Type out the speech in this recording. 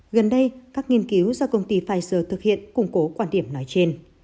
gần đây các nghiên cứu do công ty pfizer thực hiện củng cố quan điểm nói trên